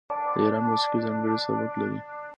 د ایران موسیقي ځانګړی سبک لري.